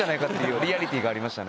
リアリティがありましたね。